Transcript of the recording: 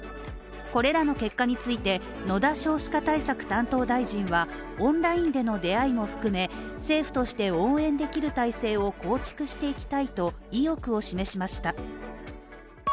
これらの結果について野田少子化対策担当大臣はオンラインでの出会いも含め、政府として応援できる体制を構築していきたいと意欲を示しました。